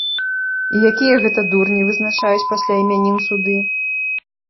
І якія гэта дурні вызначаюць пасля імянін суды?